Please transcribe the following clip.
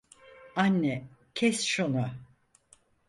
Anne, kes şunu.